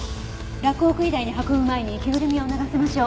洛北医大に運ぶ前に着ぐるみを脱がせましょう。